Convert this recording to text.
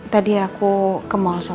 tadi aku ke mal sama mas al